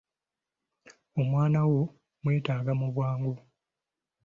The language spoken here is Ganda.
Omwana wo mmwetaaga mu bwangu.